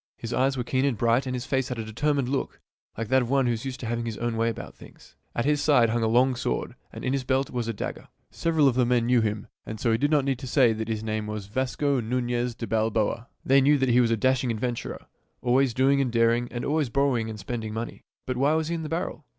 His eyes were keen and bright, and his face had a determined look, like that of one who is used to having his own way about things. At his side hung a long sword, and in his belt was a dagger. 12 THIRTY MORE FAMOUS STORIES Several of the men knew him ; and so he did not need to say that his name was Vasco Nuiiez de Balboa. They knew that he was a dashing adventurer, always doing and daring, and always borrowing and spending money. But why was he in the barrel.''